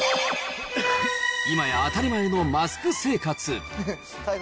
今や当たり前のマスク生活。